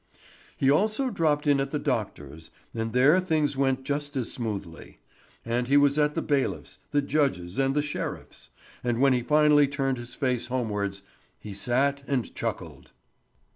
He also dropped in at the doctor's, and there things went just as smoothly. And he was at the bailiff's, the judge's and the sheriff's; and when he finally turned his face homewards he sat and chuckled.